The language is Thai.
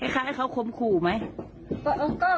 แคระคมคู่หรอ